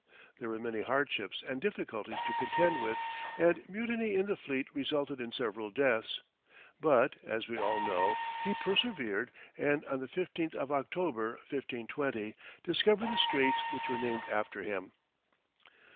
There were many hardships and difficulties to contend with, and mutiny in the fleet resulted in several deaths. But, as we all know, he persevered, and on the 15th of October, 1520, discovered the straits which were named after him.